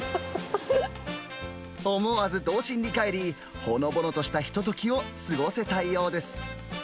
思わず童心に返り、ほのぼのとしたひとときを過ごせたようです。